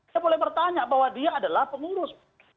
saya boleh bertanya bahwa dia adalah pengurus